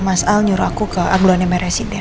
mas al nyuruh aku ke aglone meresiden